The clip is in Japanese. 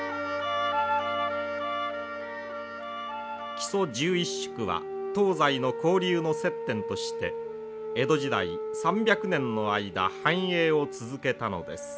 木曽１１宿は東西の交流の接点として江戸時代３００年の間繁栄を続けたのです。